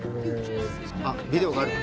あっビデオがあるって。